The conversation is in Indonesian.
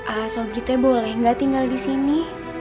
asobri teh boleh gak tinggal disini